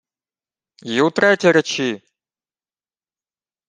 — Й утретє речи!